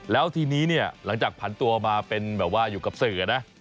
แล้วทีนี้เนี่ยหลังจากผันตัวมาเป็นแบบว่าอยู่กับสื่อนะ